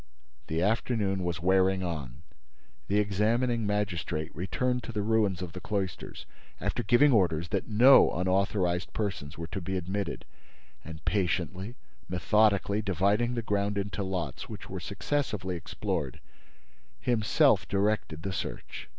The afternoon was wearing on. The examining magistrate returned to the ruins of the cloisters, after giving orders that no unauthorized persons were to be admitted, and patiently, methodically, dividing the ground into lots which were successively explored, himself directed the search.